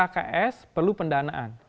ykks perlu pendanaan